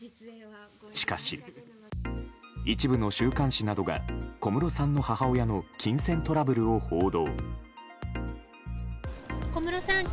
しかし、一部の週刊誌などが小室さんの母親の金銭トラブルを報道。